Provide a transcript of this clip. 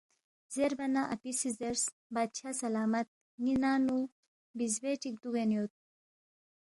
زیربا نہ اپی سی زیرس، بادشاہ سلامت ن٘ی ننگ نُو بِزبے چِک دُوگین یود